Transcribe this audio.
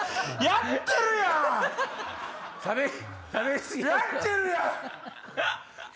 やってるやん！